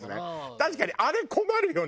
確かにあれ困るよね。